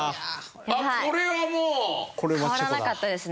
あっこれはもう変わらなかったですね